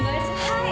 はい。